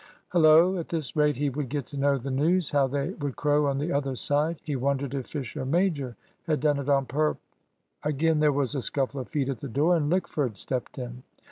Hullo! At this rate he would get to know the news. How they would crow on the other side! He wondered if Fisher major had done it on purp Again there was a scuffle of feet at the door, and Lickford stepped in.